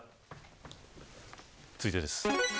続いてです。